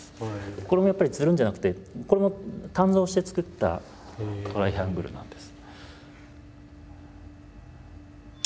これもやっぱりつるんじゃなくてこれもトライアングルなんです。